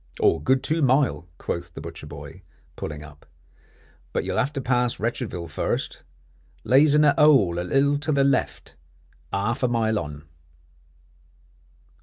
"Good two mile," quoth the butcher boy, pulling up. "But you'll have to pass Wretchedville first. Lays in a 'ole a little to the left, 'arf a mile on."